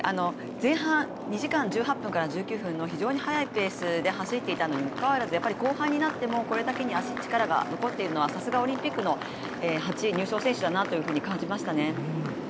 前半２時間１８分から１９分の非常に速いペースで走っていたにもかかわらず、後半になってもこれだけ足に力が残っているのはさすが、オリンピックの８位入賞選手だなと感じましたね。